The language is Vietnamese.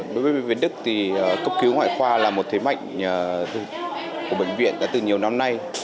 đối với bệnh viện đức thì cấp cứu ngoại khoa là một thế mạnh của bệnh viện đã từ nhiều năm nay